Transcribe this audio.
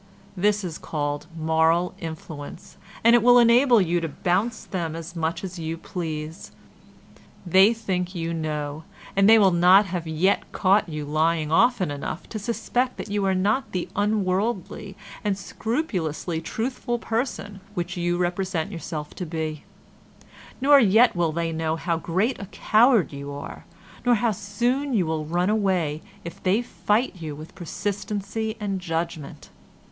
This is called moral influence, and it will enable you to bounce them as much as you please. They think you know and they will not have yet caught you lying often enough to suspect that you are not the unworldly and scrupulously truthful person which you represent yourself to be; nor yet will they know how great a coward you are, nor how soon you will run away, if they fight you with persistency and judgement.